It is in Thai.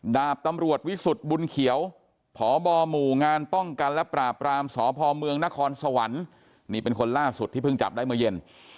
ดาบตำรวจวิสุทธิ์บุญเขียวพบหมู่งานป้องกันและปราบรามสพเมืองนครสวรรค์นี่เป็นคนล่าสุดที่เพิ่งจับได้เมื่อเย็น